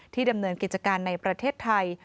ดำเนินกิจการในประเทศไทย